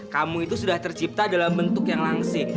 kamu itu sudah tercipta dalam bentuk yang langsing